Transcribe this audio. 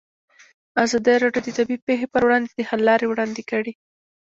ازادي راډیو د طبیعي پېښې پر وړاندې د حل لارې وړاندې کړي.